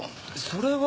それは。